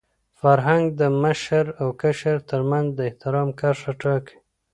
فرهنګ د مشر او کشر تر منځ د احترام کرښه ټاکي.